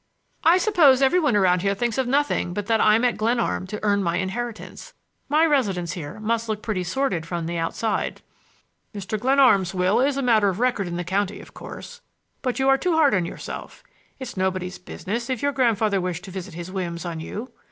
"I suppose every one around here thinks of nothing but that I'm at Glenarm to earn my inheritance. My residence here must look pretty sordid from the outside." "Mr. Glenarm's will is a matter of record in the county, of course. But you are too hard on yourself. It's nobody's business if your grandfather wished to visit his whims on you.